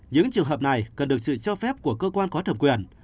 những trường hợp này cần được sự cho phép của cơ quan có thẩm quyền